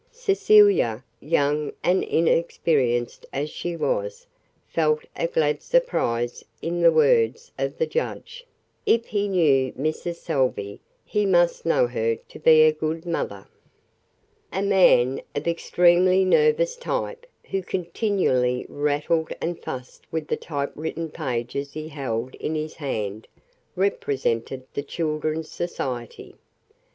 Cecilia, young and inexperienced as she was, felt a glad surprise in the words of the judge; if he knew Mrs. Salvey he must know her to be a good mother. A man of extremely nervous type, who continually rattled and fussed with the typewritten pages he held in his hand, represented the Children's Society.